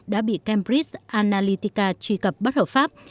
đã bị cambridge analytica truy cập bất hợp pháp